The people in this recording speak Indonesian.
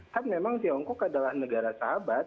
kan memang tiongkok adalah negara sahabat